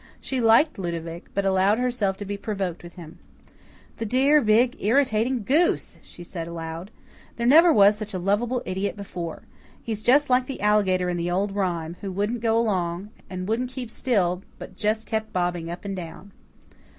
She liked Ludovic, but allowed herself to be provoked with him. "The dear, big, irritating goose!" she said aloud. "There never was such a lovable idiot before. He's just like the alligator in the old rhyme, who wouldn't go along, and wouldn't keep still, but just kept bobbing up and down."